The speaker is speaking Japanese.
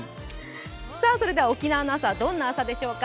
沖縄の朝はどんな朝でしょうか。